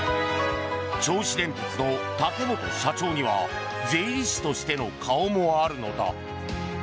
銚子電鉄の竹本社長には税理士としての顔もあるのだ。